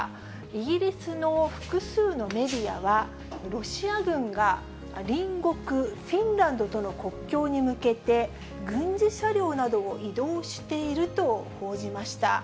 イギリスの複数のメディアは、ロシア軍が、隣国フィンランドとの国境に向けて、軍事車両などを移動していると報じました。